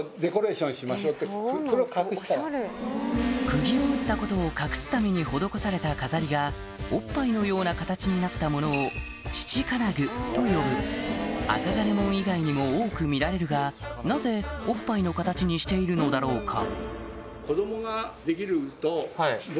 クギを打ったことを隠すために施された飾りがオッパイのような形になったものをと呼ぶ銅門以外にも多く見られるがなぜオッパイの形にしているのだろうか？